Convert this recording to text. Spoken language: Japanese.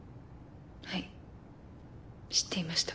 はい知っていました